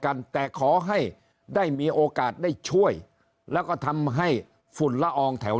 กันแต่ขอให้ได้มีโอกาสได้ช่วยแล้วก็ทำให้ฝุ่นละอองแถว